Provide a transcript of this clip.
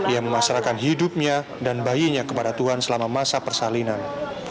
ia memasrakan hidupnya dan bayinya kepada tuhan selama masa persalinan